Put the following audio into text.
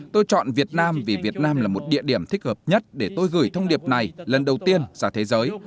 tôi chọn việt nam vì việt nam là một địa điểm thích hợp nhất để tôi gửi thông điệp này lần đầu tiên ra thế giới